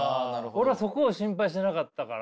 俺はそこを心配してなかったから。